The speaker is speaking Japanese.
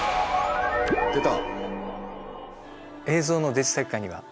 出た！